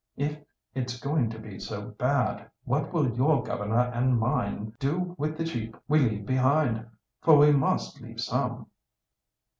"If it's going to be so bad, what will your governor and mine do with the sheep we leave behind, for we must leave some."